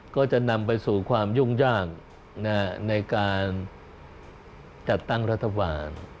ก็จะนำไปสู่ความยุ่งยากในการจัดตั้งรัฐบาล